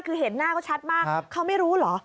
คือเห็นหน้าเขาชัดมากเขาไม่รู้เหรอ